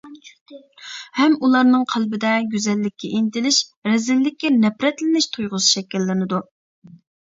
ھەم ئۇلارنىڭ قەلبىدە گۈزەللىككە ئىنتىلىش، رەزىللىككە نەپرەتلىنىش تۇيغۇسى شەكىللىنىدۇ.